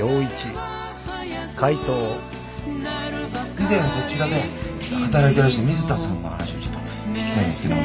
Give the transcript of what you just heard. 以前そちらで働いていらした水田さんの話をちょっと聞きたいんですけども。